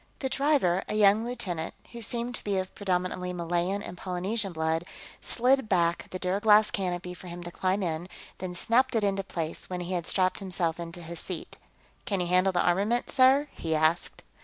The driver, a young lieutenant who seemed to be of predominantly Malayan and Polynesian blood, slid back the duraglass canopy for him to climb in, then snapped it into place when he had strapped himself into his seat. "Can you handle the armament, sir?" he asked.